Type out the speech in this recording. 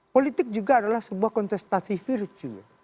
politik juga adalah sebuah kontestasi virtual